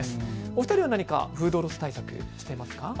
お二人は何かフードロス対策、していますか。